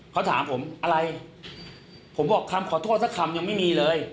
เขาถามผมอะไรผมบอกคำขอโทษสักคำยังไม่มีเลย